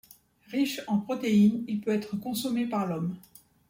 Riche en protéine, il peut être consommé par l'Homme.